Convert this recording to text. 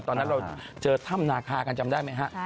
ตอนนั้นเราเจอถ้ำนาคากันจำได้ไหมฮะ